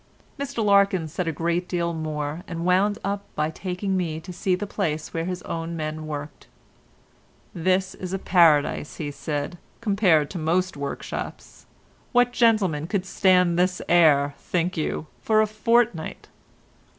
Mr Larkins said a great deal more and wound up by taking me to see the place where his own men worked. "This is a paradise," he said, "compared to most workshops. What gentleman could stand this air, think you, for a fortnight?"